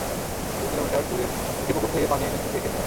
দুই কিলোমিটার দূরের একটি পুকুর থেকে পানি এনে ফুটিয়ে খেতে হয়।